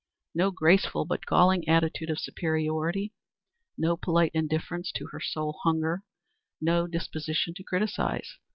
No graceful but galling attitude of superiority, no polite indifference to her soul hunger, no disposition to criticise.